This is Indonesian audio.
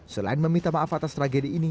selain meminta maaf atas tragedi ini